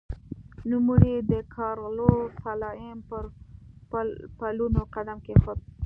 نوموړي د کارلوس سلایم پر پلونو قدم کېښود.